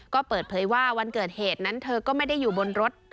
ก็เปิดเผยว่าวันเกิดเหตุนั้นเธอก็ไม่ได้อยู่บนรถ